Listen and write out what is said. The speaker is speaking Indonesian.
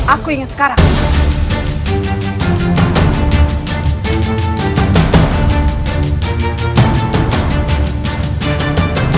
aku ingin sekarang